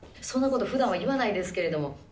そんなことふだんは言わないですけれども。